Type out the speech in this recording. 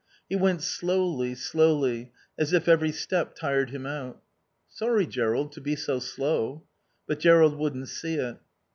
He went slowly, slowly, as if every step tired him out. "Sorry, Jerrold, to be so slow." But Jerrold wouldn't see it.